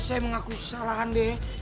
saya mengaku kesalahan deh